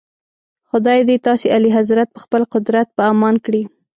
خدای دې تاسي اعلیحضرت په خپل قدرت په امان کړي.